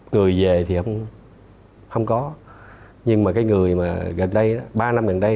người về thì không có nhưng mà cái người mà gần đây ba năm gần đây